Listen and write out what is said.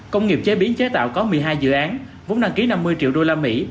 công nghiệp chế biến chế tạo có một mươi hai dự án vốn đăng ký năm mươi triệu đô la mỹ